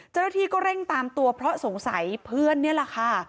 เจ้าหน้าที่ก็เร่งตามตัวเพราะสงสัยเพื่อนนี่แหละค่ะ